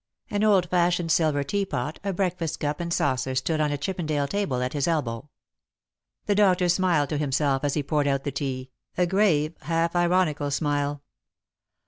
An old fashioned silver teapot, a breakfast cup and saucer, stood on a Chippendale table at his elbow. The doctor smiled to himself as he poured out the tea — a grave, half ironical smile.